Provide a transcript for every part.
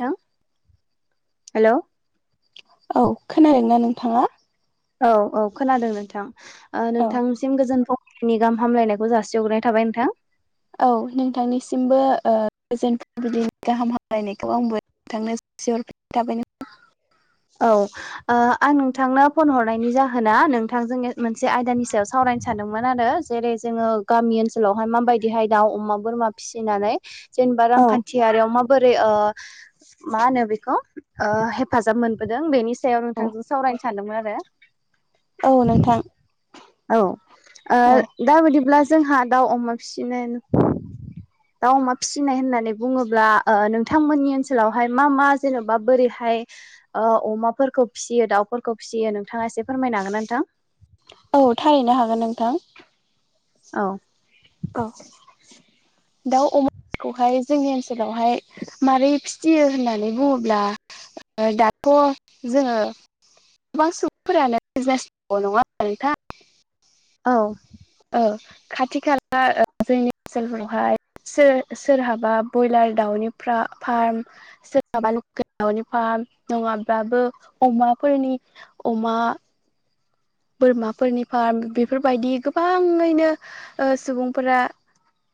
नोंथां हेलौ औ खोनादों ना नोंथाङा? औ औ खोनादों नोंथां ओ औ नोंथां सिम गोजोन फुंबिलिनि गाहाम हामलायनायखौ जासि हग्रोनाय थाबाय नोंथां। औ नोंथांनिसिमबो ओ गोजोन फुंबिलिनि गाहाम हामलायनायखौ आंबो थांनाय सियल थाबैनो [unintelligible] औ ओ आं नोंथांनो फन हरनायनि जाहोना नोंथांजों मोनसे आयदानि सायाव सावरायनो सानदोंमोन आरो जेरै जोङो गामि ओनसोलावहाय माबायदिहाय दाउ अमा बोरमा फिसिनानै जेनबा औ रांखान्थियारियाव माबोरै ओ मा होनो बेखौ ओ हेफाजाब मोन बोदों बेनि सायाव औ नोंथांजों सावरायनो सानदोंमोन आरो औ नोंथां औ ओ औ दा बिदिब्ला जोंहा दाउ अमा फिसिनाय दाउ अमा फिसिनाय होननानै बुङोब्ला ओ नोंथांमोननि ओनसोलावहाय मा मा जेन'बा बोरैहाय ओ अमाफोरखौ फिसियो दाउफोरखौ फिसियो नोंथाङा एसे फोरमायनो हागोन ना नोंथां? औ थारैनो हागोन नोंथां। औ औ दाउ अमा खौहाय जोंनि ओनसोलावहाय मारै फिसियो होननानै बुङोब्ला दाथ' जोङो गोबां सुबुंफोरानो बिजनेस नङा होनबा नोंथां औ औ खाथि खाला ओ जोंनि ओनसोलफोरावहाय सोर सोरहाबा बयलार दाउनि फ्रा फार्म सोरहाबा लकेल दावनि फार्म नङाब्लाबो अमाफोरनि अमा बोरमाफोरनि फार्म बेफोरबायदि गोबाङैनो ओ सुबुंफोरा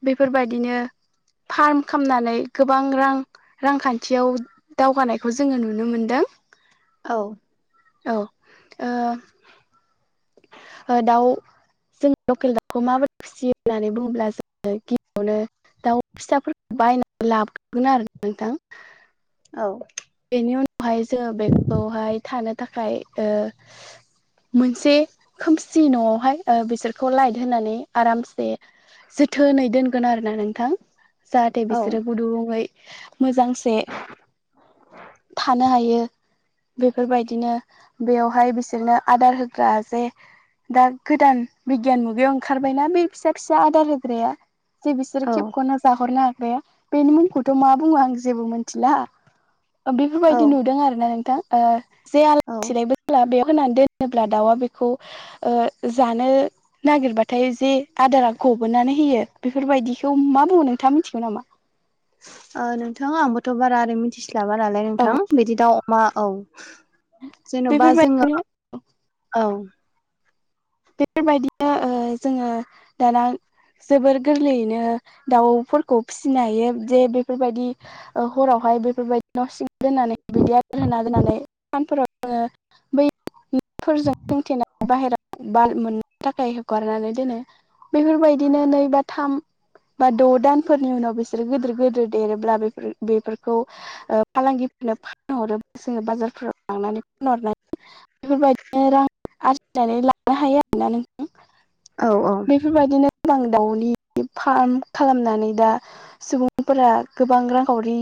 बेफोरबायदिनो फार्म खालामनानै गोबां रां रांखान्थियाव दावगानायखौ जोङो नुनो मोनदों। औ औ ओ ओ दाउ जों लकेल दाउखौ माबोरै फिसियो होननानै बुङोब्ला जोङो गिबियावनो दाउ फिसाफोरखौ बायनानै लाबोगोन आरो नोंथां। औ बेनि उनावहाय जों बेखौहाय थानो थाखाय ओ मोनसे खोमसि न'आवहाय ओ बिसोरखौ लाइट होनानै आरामसे जोथोनै दोनगोन आरोना नोंथां जाहाथे औ बिसोरो गुदुुङै मोजांसे - थानो हायो बेफोरबायदिनो बेयावहाय बिसोरनो आदार होग्रा जे दा गोदान बिगियान मुगायाव ओंखारबायना बे फिसा फिसा आदार होग्राया जे बिसोरो औ खेबख'ना जाहरनो हाग्राया बेनि मुंखौथ' मा बुङो आं जेबो मिथिला औ बेफोरबायदि नुदों आरो ना नोंथां ओ जे औ आलाय सिलायबो जाला बेयाव होनानै दोनोब्ला दाउआ बेखौ ओ जानो नागिरबाथाय जे आदारा गबोनानै होयो बेफोरबायदिखौ मा बुङो नोंथाङा मिथिगौ नामा? ओ नोंथां आंबोथ' बारा ओरै मिथिस्लाबा नालाय औ नोंथां बिदि दाउ अमा औ जेन'बा जोङो बेफोरबायदिनो औ बेफोरबायदिनो ओ जोङो दाना जोबोर गोरलैयैनो दाउफोरखौ फिसिनो हायो जे बेफोरबायदि ओ हरावहाय बेफोरबाय न' सिं दोननानै बिदि आदार होना दोननानै सानफोराव जोङो बै फोरजों सोंथेनानै बाहेरायाव ब मोननो थाखाय हगारनानै दोनो बेफोरबायदिनो नै बा थाम बा द' दानफोरनि उनाव बिसोरो गिदिर गिदिर देरोब्ला बेफोर बेफोरखौ फालांगिफोरनो फानहरोब्ला जोङो बाजारफोराव लांनानै फानहरनानै बेफोरबायदिनो रां आरजिनानै लानो हायो आरोोना औ नों बेफोरबायदिनो गोबां दाउनि फार्म खालामनानै दा सुबुंफोरा गोबां रांखावरि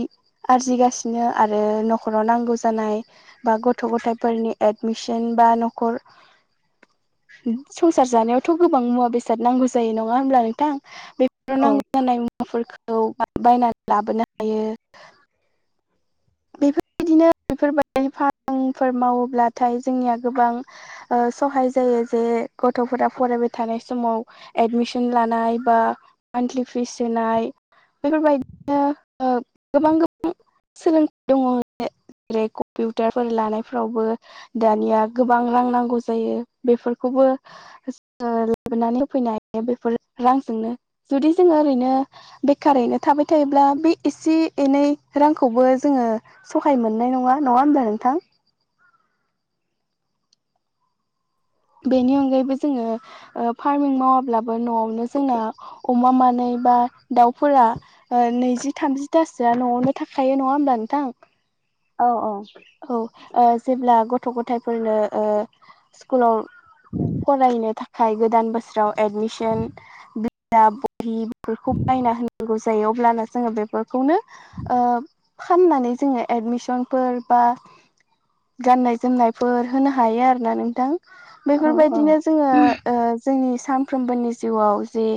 आरजिगासिनो आरो न'खराव नांगौ जानाय बा गथ' गथायाइफोरनि एडमिसन बा न'खर संसार जानायावथ' गोबां मुवा बेसाद नांगौ जायो नङा होमब्ला नोंथां बेफोर औ नांगौ जानाय मुवाफोरखौ बायनानै लाबोनो हायो [inaudible] बेफोरबायदिनो बेफोरबायदि फारामफोर मावोब्लाथाय जोंनिया गोबां सहाय जायो जे गथ'फोरा फरायबाय थानाय समाव एडमिसन लानाय बा मान्थलि फिस होनाय बेफोरबायदिनो गोबां गोबां सोलोंथाइ दङ जेरै कम्पिउटारफोर लानायफोरावबो दानिया गोबां रां नांगौ जायो बेफोरखौबो लाबोनानै होफैनो हायो बेफोर रांजोंनो जुदि जोङो ओरैनो बेखारैनो थाबाय थायोब्ला बे एसे एनै रांखौबो जोङो सहाय मोननाय नङा नङा होनोमब्लाा नोंथां बेनि अनगायैबो जोङो फार्मिं मावाब्लाबो न'आवनो जोंना अमा मानाय बा दाउफोरा नैजि थामजिथासोआ न'आवनो थाखायो नङा होमब्ला नोंथां औ औ औ जेब्ला गथ' गथायफोरनो स्कुलाव फरायनो थाखाय गोदान बोसोराव एडमिसन बिजा बहि बेफोरखौ बायना होनांगौ जायो अब्लानोा जोङो बेफोरखौनो फाननानै जोङो एडमिसनफोर बा गाननाय जोमनायफोर होनो हायो आरो ना नोंथां औ औ बेफोरबायदिनो जोङो जोंनि सानफ्रोमबोनि जिउआव जे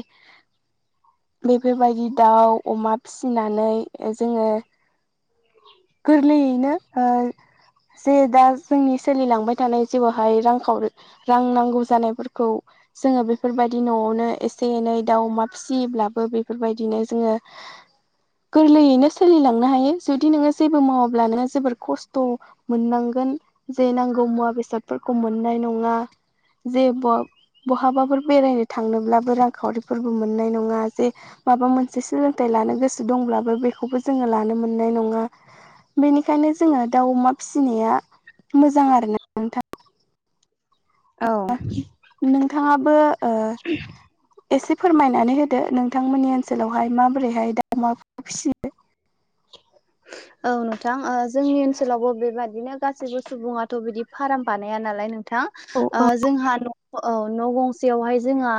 बेफोरबायदि दाउ अमा फिसिनानै जोङो गोरलैयैनो जे दा जोंनि सोलिलांबाय थानाय जेवावहाय रांखावरि रां नांगौ जानायफोरखौ जोङो बेफोरबायदि न'आवनो एसे एनै दाउ अमा फिसियोब्लाबो बेफोरबायदिनो जोङो [inaudible] गोरलैयैनो सोलिलांनो हायो जुदि नोङो जेबो मावोब्ला नोङो जोबोर खस्थ' मोननांगोन जे नांगौ मुवा बेसादफोरखौ मोननाय नङा जे बहाबाफोर बेरायनो थांनोब्लाबो रांखावरिफोरबो मोननाय नङा जे माबा मोनसे सोलोंथाइ लानो गोसो दंब्लाबो बेखौबो जोङो लानो मोननाय नङा बेनिखायनो जोङो दाउ अमा फिसिनाया मोजां आर ना नोंथां औ नोंथाङाबो एसे फोरमायनानै होदो नोंथांमोननि ओनसोलावहाय माबोरैहाय दाउ अमा फिसि औ नोंथां जोंनि ओनसोलावबो बेबादिनो गाससिबो सुबुङाथ' बिदि फार्म बानाया नालाय नोंथां औ जोंहा न' न' गंसेयावहाय जोंहा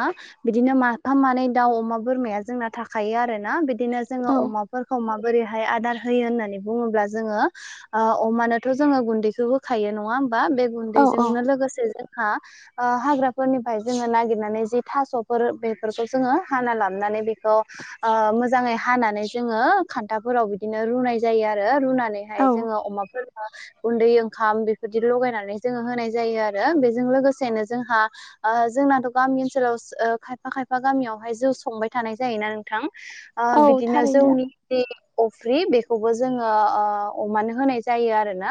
बिदिनो माफाम मानै दाउ अमा बोरमाया जोंना थाखायो आरोोना बिदि बिदिनो जोङो औ अमाफोरखौ माबोरैहाय आदार होयो होननानै बुङोब्ला जोङो अमानोथ' जोङो गुन्दैखौ होखायो नङा होमबा बे औ गुन्दैजोंनो लोगोसे जोंहा ओ हाग्राफोरनिफ्राय जोङो नागिरनानै जि थास'फोर बेफोरखौ जोङो हाना लाबनानै बेखौ ओ मोजाङै हानानै जोङो खान्थाफोराव बि बिदिनो रुनाय जायो आरो रुनानैहाय औ जोङो अमाफोर गुन्दै ओंखाम बेफोरदि लगायनानै जोङो होनाय जायो आरो बेजों लोगोसेनो जोंहा ओ जोंनाथ' गामि ओनसोलाव ओ खायफा खायफा गामियावहाय जौ संबाय थानाय जायोना नोंथां आ औ बिदिनोसों थारैनो द अफ्रि बेखौबो जोङो अमानो होनाय जायो आरोना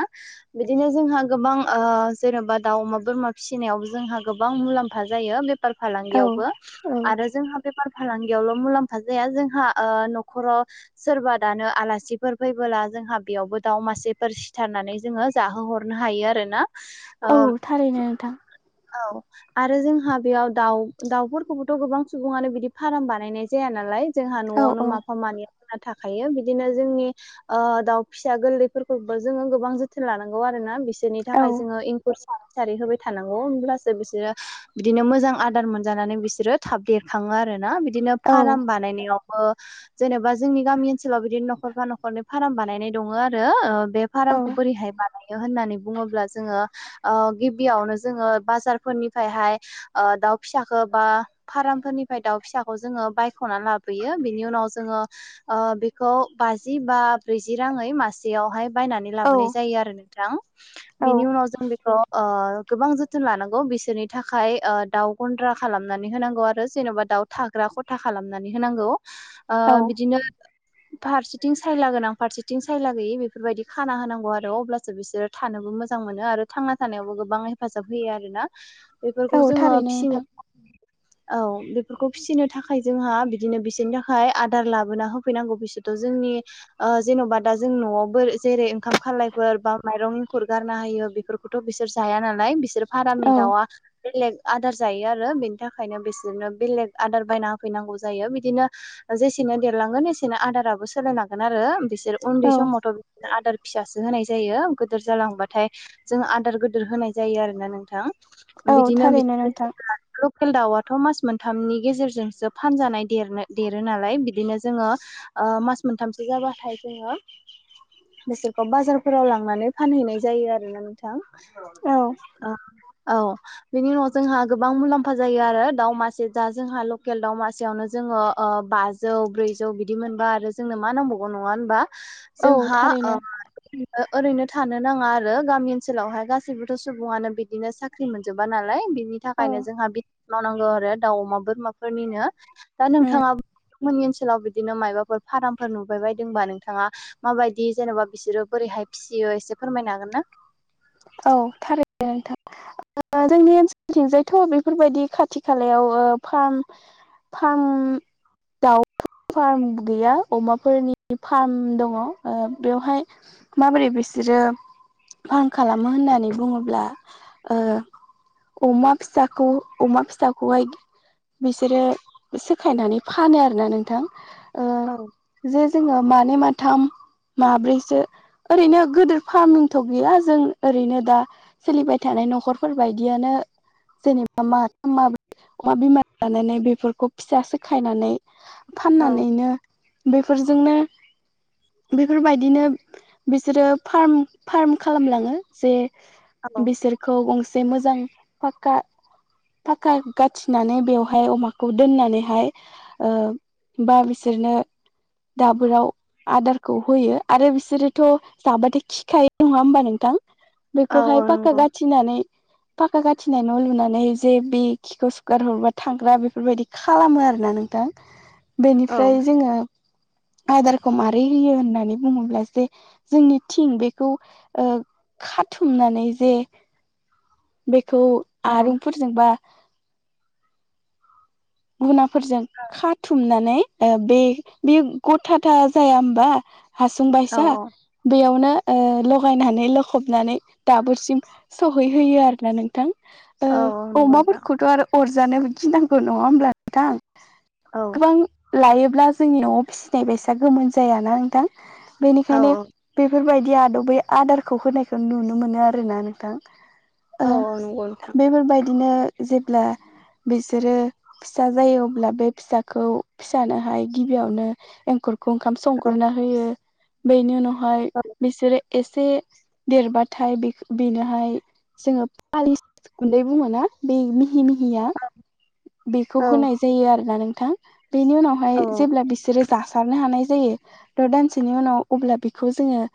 बिदिनो जोंहा गोबां जेन'बा दाउ अमा बोरमा फिसिनायावबो जोंहा गोबां मुलाम्फा जायो बे फार औ फालांगियावबो औ आरो जोंहा बेफार फालांगियावल' मुलाम्फा जाया जोंहा न'खराव सोरबा दानो आलासिफोर फैबोला जोंहा बेयावबो दाउ मासेफोर सिथारनानै जोङो जाहोहरनो हायो आरोना ओ औ थारैनो नोंथां औ आरो जोंहा बेयाव दाउ दाउफोरखौबोथ' गोबां सुबुङानो बिदि फार्म बानायनाय जाया नालाय जोंहा औ न'आवनो औ माफा मानैया होना थाखायो बिदिनो जोंनि ओ दाउ फिसा गोरलैफोरखौबो जोङो गोबां जोथोन लानांगौ आरो ना बिस सोरनि औ थाखाय जोङो इंकुर सार सारि होबाय थानां होमब्लासो बिसोरो बिदिनो मोजां आदार मोनजानानै बिसोरो थाब देरखाङो आरोना बि दिनो औ फाराम बानायनायाव बो जेन'बा जोंनि गामि ओनसोलाव बिदिनो न'खरफा न'खरनि फार्म बानायनाय दङो आरो ओ बे औ फारामखौ बोरैहाय बानायो होन्नानै बुङोब्ला जोङो ओ गिबियावनो जोङो बाजारफोरनिफ्रायहाय ओ दाउ फिसाख बा फार्मफोरनिफ्राय दाउ फिसाखौ जोङो बायख'नानै लाबोयो बेनि उनाव जोङो ओ बेखौ बाजि बा ब्रैजि राङै मास जेयावहाय बायनानै लाबोनाय औ जायो आरो नोंथां। बिनि उनाव जों बेखौ ओ गोबां जोथोन लानांगौ बिसोरनि थाखाय ओ दाउ गन्द्रा खालामनानै होनांगौ आरो जेन'बा दाउ थाग्रा खथा खालामनानै होनांगौ ओ औ बिदिनो फारसेथिं सायलागोन आं फारसेथिं थानोबो मोजां मोनो आरो थांना थानायावबो गोबाङै हेफाजाब होयो आरोना बेफोरखौ औ जोङो थारैनो नोंथां फिसिनो औ बेफोरखौ फिसिनो थाखाय जोंहा बिदिनो बिसोरनि थाखाय आदार लाबोना होफैनांगौ बिसोरथ' जोंनि ओ‌ जेन'बा दा जों न'आवबो जेरै ओंखाम खालायफोर बा माइरं एंखुर गारनो हायो बे फोरफोरखौथ' बिसोर जाया नालाय बिसोर औ फारामनि दाउआ बेलेग आदार जायो आरो बेनि थाखायनो बिसोरनो बेलेग आदार बायना होफैनांगौ जायो बिदिनो जेसेनो देरलांगोन एसेनो आदाराबो सोलायलांगोन आरो बिसोर उन्दै औ समावथ' आदार फिसासो होनाय जायो गोदोर जालांबाथाय जों आदार गोदोर होनाय जायो आरोना नोंथां औ बिदिनो बि थारैनो नोंथां [unintelligible] खेल दाउआथ' मास मोनथामनि गेजेरजोंसो फानजानाय देरनो-देरो नालाय बिदिनो जोङो ओ मास मोनथामसो जाबाथाय जोङो बिसोरखौ बाजारफोराव लांनानै फानहैनाय जायो आरो ना नोंथां। औ औ औ बेनि उनाव जोंहा गोबां मुलाम्फा जायो आरो दाव मासे जा जोंहा लकेल दावमासेयावनो जोङो ओ बाज जौ ब्रैजौ बिदि मोनबा आरो जोंनो मा नांबावगौ नङा होनबा? औ जोंहा ओ थारैनो ओरैनो थानो नाङा आरो गामि ओनसोलावहाय गासैबो थ' सुबुङानो बिदिनो साख्रि मोनजोबा नालाय बिनि औ थाखायनो जोंहा बि मावनांगौ आरो दाउ अमा बोरमाफोरनिनो दा उम नोंथाङा मोननि ओनसोलाव बिदिनो मायबाफोर फार्मफोर नुबाय बायदोंबा नोंथाङा माबायदि जेन'बा बिसोरो बोरैहाय फिसियो एसे फोरमायनो हागोन ना? औ थारै दे नोंथां ओ‌ जोंनि ओनसोलथिंजायथ' बेफोरबायदि खाथि खालायाव ओ फार्म फार्म दाउ फार्म गैया अमाफोरनि फार्म दङ बेवहाय माबोरै बिसोरो फार्म खालामो होननानै बुङोब्ला ओ अमा फिसाखौ अमा फिसाखौहाय बिसोरो सखायनानै फानो आरोना नोंथां ओ औ जे जोङो मानै माथाम माब्रैसो ओरैनो गिदिर फार्मथ' गैया जों ओरैनो दा सोलिबाय थानाय न'खर बेफोरबायदियानो जेनेबा माथाम माब्रै अमा बिमा लानानै बेफोरखौ फिसा सो सिखायनानै औ फाननानैनो बेफोरजोंनो बेफोरबायदिनो बिसोरो फार्म फार्म खालामलाङो जे औ बिसोरखौ गंसे मोजां फाक्का फाक्का गाथिनानै बेवहाय अमाखौ दोननानैहाय ओ बा बिसोरनो दाबोराव आदारखौ होयो आरो बिसोरोथ' जाबाथाय खिखायो नङा होमबा नोंथां औ बेखौहाय औ फाक्का नंगौ गाथिनानै फाक्का गाथिनाय न' लुनानै जे बि खिखौ सुगार हरबा थांग्रा बेफोरबायदि खालामो आरोना नोंथां औ बेनिफ्राय जोङो आदारखौ मारै होयो होननानै बुङोब्ला जे जोंनि थिं बेखौ खाथुमनानै जे बेखौ आरंफोरजोंबा गुनाफोरजों खाथुमनानै बे बे गथाथा जाया होमबा हासुं औ बायसा बेयावनो ओ लगायनानै लख'बनानै दाबोरसिम सहैहोयो आरोना नोंथां औ औ ओ नंगौ नोंथां अमाफोरखौथ' आरो अरजानोबो गिनांगौ नङा होमब्ला नोंथां औ गोबां लायोब्ला जोंनि न'वाव फिसिनाय बायसा गोमोन जायाना नोंथां औ बेनिखायनो बेफोरबायदि आदबै आदारखौ होनायखौ नुनो मोनो आरोना नोंथां औ औ नंगौ नोंथां बेफोरबायदिनो जेब्ला बिसोरो फिसा जायो अब्ला बे फिसाखौ फिसानोहाय गिबियावनो एंखुर खौ ओंखाम औ संग्रोना होयो बेनि उनावहाय बिसोरो एसे देरबाथाय बे बेनोहाय जोङो फालिस गुन्दै बुङोना बे मिहि मिहिया बेखौ औ होनाय जायो आरोना नोंथां बेनि औ उनावहाय जेब्ला बिसोरो जासारनो हानाय जायो थ' दानसेनि उनाव अब्ला बेखौ जोङो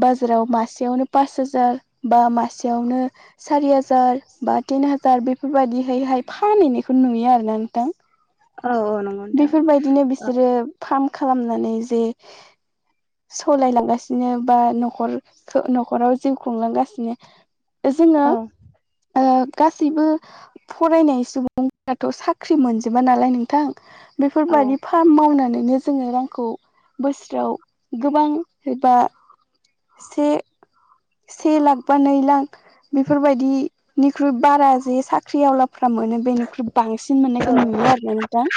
बाजाराव मासेयावनो पास हाजार बा मासेयावनो सारि हाजार बा तिन हाजार बेफोरबायदिहैहाय फानहैनायखौ नुयो आरोना नोंथां औ औ नंगौ नोंथां बेफोरबायदिनो औ बिसोरो फार्म खालामनानै जे सलायलांगासिनो बा न'खर न'खराव जिउ खुंलांगासिनो जोङो औ ओ गासैबो फरायनाय सुबुंफ्राथ' साख्रि मोनजोबा नालाय नोंथां बेफोरबायदि फार्म मावनानैनो जोङो रांखौ बोसोराव गोबां एबा से से लाख बा नै लाख बेफोरबायदिनिख्रुइ बारा जे साख्रियावला फ्रा मोनो बेनिख्रुइ बांसिन औ मोननायखौ नुयो आरोना नोंथां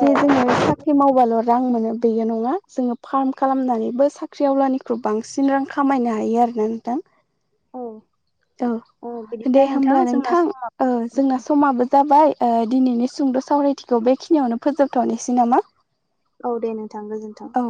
जे जोङो औ साख्रि मावबाल' रां मोनो बेयो नङा जोङो फार्म खालामनानैबो साख्रि आवलानिख्रुइ बांसिन रां खामायनो हायो आरो औ औ दे बिदिब्ला होमब्ला जोंना नोंथां समा औ जोंना समाबो जाबाय दिनैनि सुंद' सावरायथिखौ बेखिनियावनो फोजोबथ'नोसै नामा औ दे नोंथां गोजोनथों - औ